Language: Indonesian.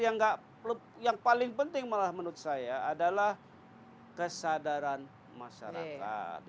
yang paling penting malah menurut saya adalah kesadaran masyarakat